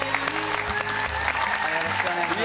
よろしくお願いします。